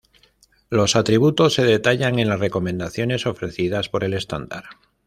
Los atributos se detallan en las recomendaciones ofrecidas por el estándar.